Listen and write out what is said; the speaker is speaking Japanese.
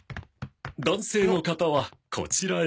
男性の方はこちらへ。